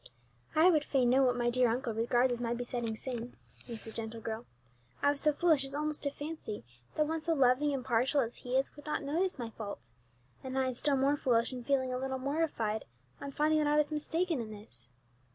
"I would fain know what my dear uncle regards as my besetting sin," mused the gentle girl. "I was so foolish as almost to fancy that one so loving and partial as he is would not notice my faults, and I am still more foolish in feeling a little mortified on finding that I was mistaken in this.